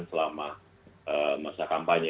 selama masa kampanye